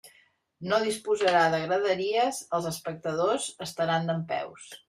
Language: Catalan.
No disposarà de graderies, els espectadors estaran dempeus.